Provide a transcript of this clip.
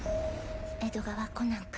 江戸川コナン君。